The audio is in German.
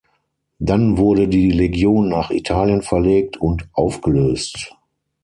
Dann wurde die Legion nach Italien verlegt und aufgelöst.